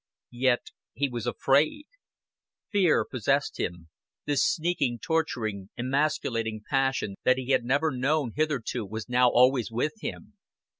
Yet he was afraid. Fear possed him this sneaking, torturing, emasculating passion that he had never known hitherto was now always with him.